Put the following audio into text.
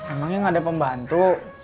emangnya nggak ada pembantu